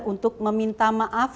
untuk meminta maaf